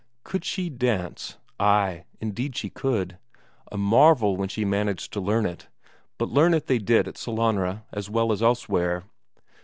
Could she dance? ay, indeed she could. A marvel where she had managed to learn it, but learn it they did at Sellanraa as well as elsewhere.